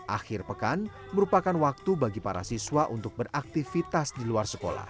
akhir pekan merupakan waktu bagi para siswa untuk beraktivitas di luar sekolah